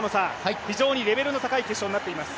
非常にレベルの高い決勝になっています。